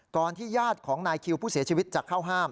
ที่ญาติของนายคิวผู้เสียชีวิตจะเข้าห้าม